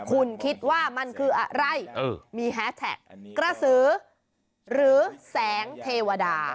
คุณคิดว่ามันคืออะไรมีแฮสแท็กกระสือหรือแสงเทวดา